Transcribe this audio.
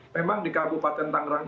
memang di kabupaten tangerang